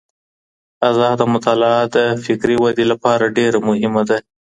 ازاده مطالعه د فکري ودې لپاره ډېره مهمه ده.